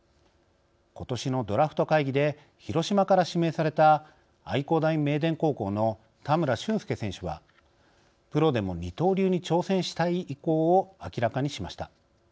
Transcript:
ことしのドラフト会議で広島から指名された愛工大名電高校の田村俊介選手はプロでも二刀流に挑戦したい意向を明らかにしました。